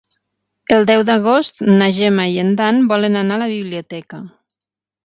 El deu d'agost na Gemma i en Dan volen anar a la biblioteca.